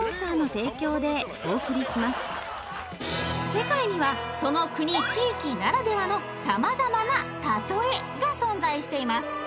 世界にはその国・地域ならではの様々な「たとえ」が存在しています！